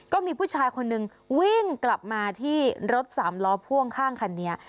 ก็มีผู้ชายคนนึงวิ่งกลับมาที่รถสามล้อพ่วงข้างคันนี้